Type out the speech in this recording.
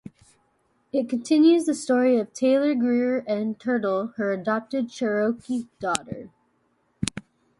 It continues the story of Taylor Greer and Turtle, her adopted Cherokee daughter.